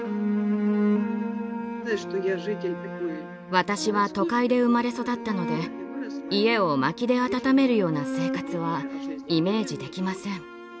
私は都会で生まれ育ったので家を薪で暖めるような生活はイメージできません。